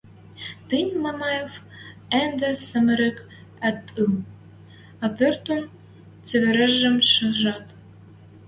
— Тӹнь, Мамаев, ӹнде сӓмӹрӹк ат ыл, а пӧрттӱн цевержӹм шижӓт.